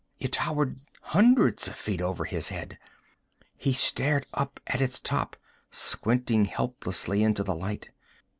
It towered hundreds of feet over his head; he stared up at its top, squinting helplessly into the light.